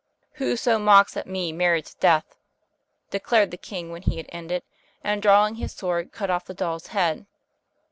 "Who so mocks at me merits death," declared the king when he had ended, and drawing his sword, cut off the doll's head.